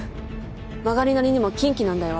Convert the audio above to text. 曲がりなりにも金鬼なんだよ